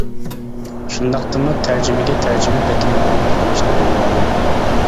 شۇنداقتىمۇ تەرجىمىگە تەرجىمە پېتى مۇئامىلە قىلىشنى ئۆگىنىۋالايلى.